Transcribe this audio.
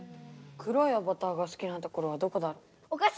黒いアバターがすきなところはどこだろう。